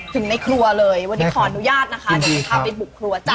ถึงในครัวเลยวันนี้ขออนุญาตนะคะจริงจริงครับจะทำเป็นบุคลัวจ้า